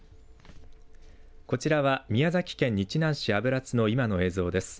こちらは宮崎県日南市油津の今の映像です。